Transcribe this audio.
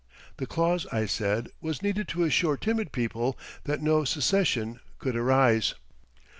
The clause, I said, was needed to assure timid people that no secession could arise.